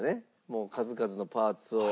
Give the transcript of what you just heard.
もう数々のパーツを。